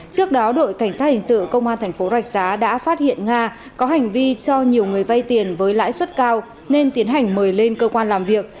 trước đó đội cảnh sát hình sự công an thành phố rạch giá đã phát hiện nga có hành vi cho nhiều người vay tiền với lãi suất cao nên tiến hành mời lên cơ quan làm việc